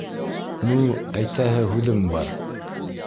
Ну, әйтәһе һүҙем бар.